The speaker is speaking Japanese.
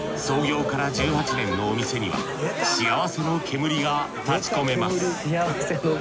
創業から１８年のお店には幸せの煙が立ち込めます。